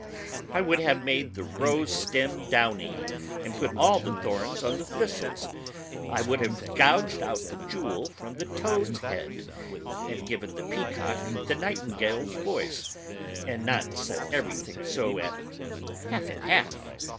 I would have made the rose stem downy, and put all the thorns on the thistles. I would have gouged out the jewel from the toad's head, and given the peacock the nightingale's voice, and not set everything so at half and half.